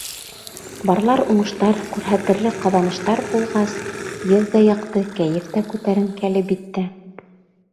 Барлар уңыштар, күрһәтерлек ҡаҙаныштар булғас, йөҙ ҙә яҡты, кәйеф тә күтәренке, әлбиттә.